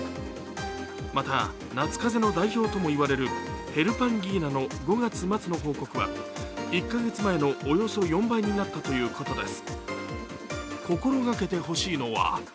また、夏風邪の代表ともいわれるヘルパンギーナの５月末の報告は１か月前のおよそ４倍になったということです。